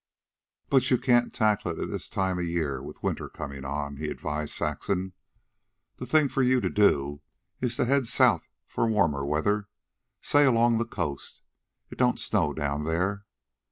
"But you can't tackle it at this time of year, with winter comin' on," he advised Saxon. "The thing for you to do is head south for warmer weather say along the coast. It don't snow down there.